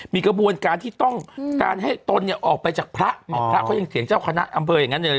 มีกระบวนการที่ต้องการให้ตนเนี่ยออกไปจากพระพระเขายังเถียงเจ้าคณะอำเภออย่างนั้นเลย